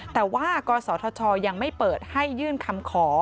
แต่ว่ากศธชยังไม่เปิดให้ยื่นคำขอ